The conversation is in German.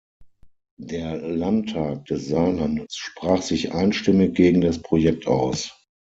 Der Landtag des Saarlandes sprach sich einstimmig gegen das Projekt aus.